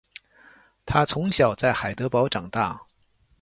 他从小在海德堡长大。